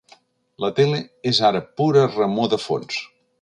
La tele és ara pura remor de fons.